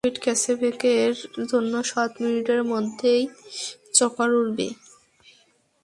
Copied ক্যাসেভেকের জন্য সাত মিনিটের মধ্যেই চপার উড়বে।